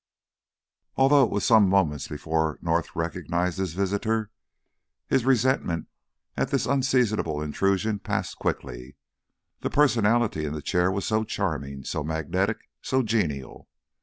Although it was some moments before North recognized his visitor, his resentment at this unseasonable intrusion passed quickly; the personality in the chair was so charming, so magnetic, so genial.